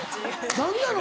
何なの？